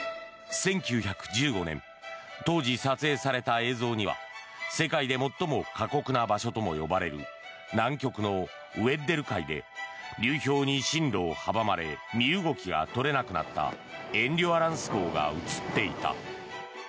１９１５年当時撮影された映像には世界で最も過酷な場所とも呼ばれる南極のウェッデル海で流氷に進路を阻まれ身動きが取れなくなった「エンデュアランス号」が映っていた。